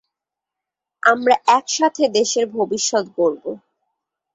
আমরা একসাথে দেশের ভবিষ্যত গড়ব।